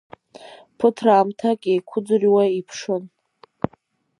Ԥыҭраамҭак еиқәыӡырҩуа иԥшын.